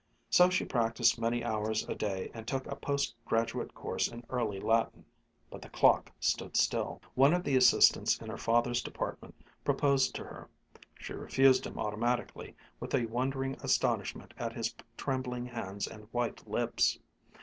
So she practised many hours a day, and took a post graduate course in early Latin. But the clock stood still. One of the assistants in her father's department proposed to her. She refused him automatically, with a wondering astonishment at his trembling hands and white lips.